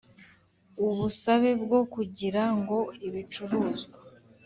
Ubusabe bwo kugira ngo ibicuruzwa